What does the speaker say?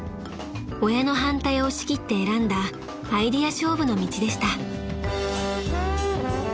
［親の反対を押し切って選んだアイデア勝負の道でした］